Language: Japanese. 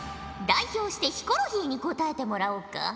代表してヒコロヒーに答えてもらおうか。